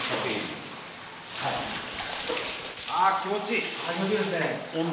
あ気持ちいい。